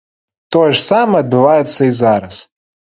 Тое ж самае адбываецца і зараз.